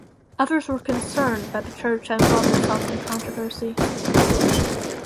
Others were concerned that the church had involved itself in the controversy.